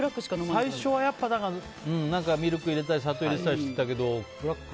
最初はミルク入れたり砂糖入れたりしてたけどブラック。